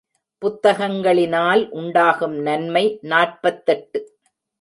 புத்தகங்களினால் உண்டாகும் நன்மை நாற்பத்தெட்டு.